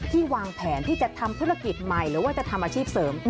วางแผนที่จะทำธุรกิจใหม่หรือว่าจะทำอาชีพเสริม